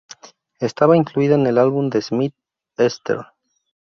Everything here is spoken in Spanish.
Estaba incluida en el álbum de Smith "Easter".